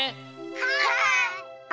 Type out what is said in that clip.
はい！